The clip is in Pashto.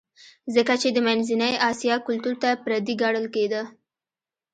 ځکه چې د منځنۍ اسیا کلتور ته پردی ګڼل کېده